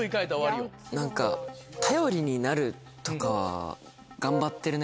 何か「頼りになる」とか「頑張ってるね」